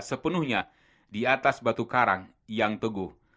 sepenuhnya di atas batu karang yang teguh